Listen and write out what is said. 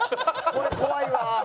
これ怖いわ。